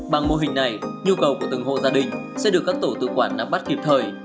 bằng mô hình này nhu cầu của từng hộ gia đình sẽ được các tổ tự quản nắm bắt kịp thời